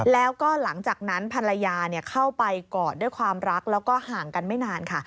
แล้วก็หลังจากนั้นภรรยาเข้าไปกอดด้วยความรักแล้วก็ห่างกันไม่นานค่ะ